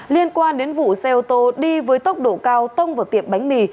liên quan đến vụ xe ô tô đi với tốc độ cao tông vào tiệm bánh mì